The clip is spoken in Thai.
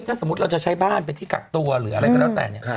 ถ้าสมมุติเราจะใช้บ้านเป็นที่กักตัวหรืออะไรก็แล้วแต่เนี่ย